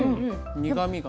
苦みが。